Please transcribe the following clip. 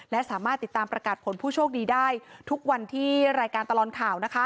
และสามารถติดตามประกาศผลผู้โชคดีได้ทุกวันที่รายการตลอดข่าว